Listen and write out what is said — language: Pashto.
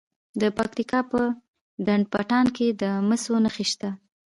د پکتیا په ډنډ پټان کې د مسو نښې شته.